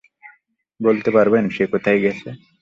বলতে পারবেন সে কোথায় গেছে?